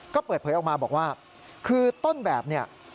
ก็เปิดเผยออกมาบอกว่าคือต้นแบบเนี่ย